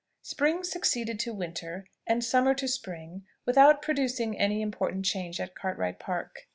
Spring succeeded to winter, and summer to spring, without producing any important change at Cartwright Park.